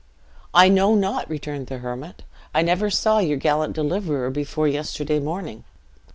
"I know not," returned the hermit; "I never saw your gallant deliverer before yesterday morning.